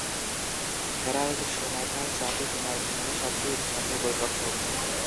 Herald Schumacher চারটি penalty নিয়ে সবচেয়ে সফল গোলরক্ষক।